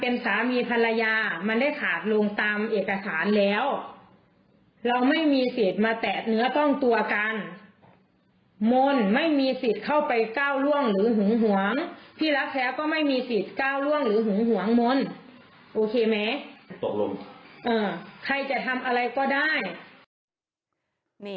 นี่